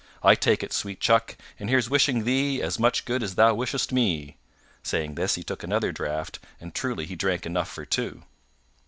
I take it, sweet chuck, and here's wishing thee as much good as thou wishest me." Saying this, he took another draught, and truly he drank enough for two.